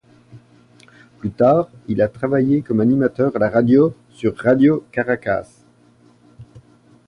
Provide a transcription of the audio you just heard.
Plus tard, il a travaillé comme animateur à la radio sur Radio Caracas.